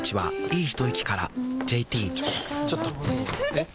えっ⁉